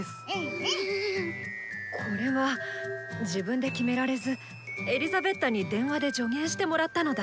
これは自分で決められずエリザベッタに電話で助言してもらったのだ。